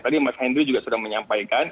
tadi mas henry juga sudah menyampaikan